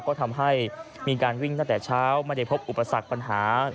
ก็ทำให้มีการวิ่งตั้งแต่เช้าไม่ได้พบอุปสรรคปัญหา